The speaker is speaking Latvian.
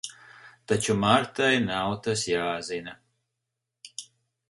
Taču Martai nav tas jāzina.